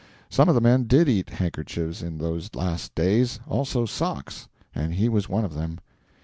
Some of the men did eat handkerchiefs in those last days, also socks; and he was one of them.